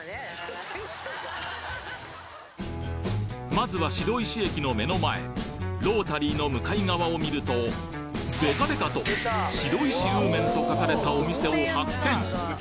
まずは白石駅の目の前ロータリーの向かい側を見るとデカデカと白石うーめんと書かれたお店を発見！